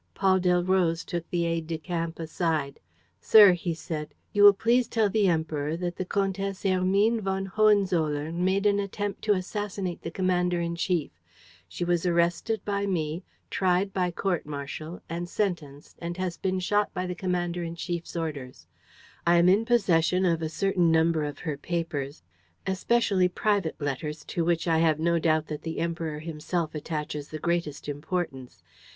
Paul Delroze took the aide de camp aside: "Sir," he said, "you will please tell the Emperor that the Comtesse Hermine von Hohenzollern made an attempt to assassinate the commander in chief. She was arrested by me, tried by court martial and sentenced and has been shot by the commander in chief's orders. I am in possession of a certain number of her papers, especially private letters to which I have no doubt that the Emperor himself attaches the greatest importance.